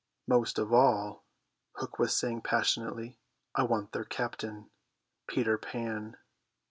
"Most of all," Hook was saying passionately, "I want their captain, Peter Pan.